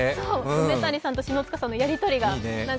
梅谷さんと篠塚さんのやりとりが。